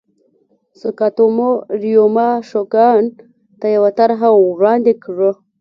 ساکاتومو ریوما شوګان ته یوه طرحه وړاندې کړه.